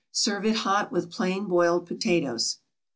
Serve it hot, with plain boiled potatoes.